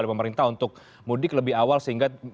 dari pemerintah untuk mudik lebih awal sehingga